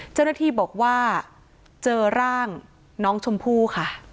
เจ้าหน้าที่บอกว่าเจอร่างน้องชมพู่ค่ะ